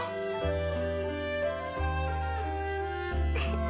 フフッ。